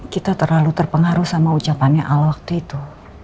kita terlalu terpengaruh sama ucapannya allah waktu itu